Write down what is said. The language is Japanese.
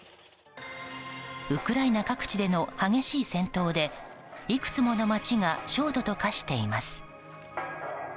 ウクライナ各地での激しい戦闘でいくつもの街が焦土と化しています。